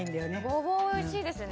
ごぼう、いいですね。